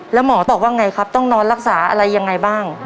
แล้วหมอบอกว่าไงครับต้องนอนรักษาอะไรยังไงบ้าง